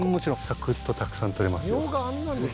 サクッとたくさんとれますので。